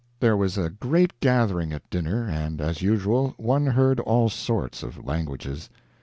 There was a great gathering at dinner, and, as usual, one heard all sorts of languages.